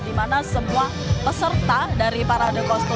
dimana semua peserta pelajar dan pelajar semua berada di dalam kota